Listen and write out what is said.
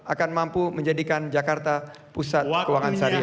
akan mampu menjadikan jakarta pusat keuangan syariah